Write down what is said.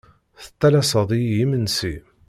Tettalaseḍ-iyi imensi.